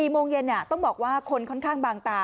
โมงเย็นต้องบอกว่าคนค่อนข้างบางตา